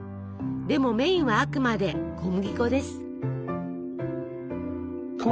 でもメインはあくまで小麦粉です。